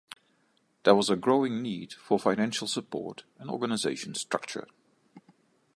There was a growing need for financial support and organization structure.